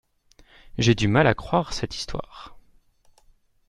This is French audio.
J’ai du mal à croire cette histoire.